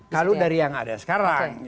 kalau dari yang ada sekarang